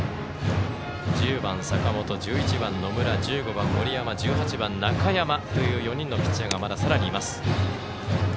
１０番、坂本、１１番、野村１５番、森山１８番、中山というピッチャーがまださらにいます。